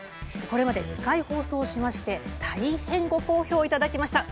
これまで２回放送しまして大変ご好評をいただきました。